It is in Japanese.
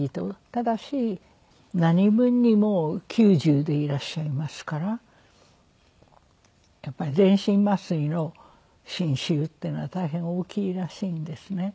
ただし何分にもう９０でいらっしゃいますからやっぱり全身麻酔の侵襲っていうのは大変大きいらしいんですね。